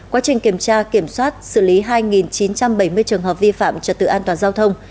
quá trình kiểm tra kiểm soát xử lý hai chín trăm bảy mươi trường hợp vi phạm trật tự an toàn giao thông